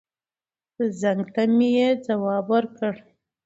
زنګ ته مې يې ځواب ور کړ.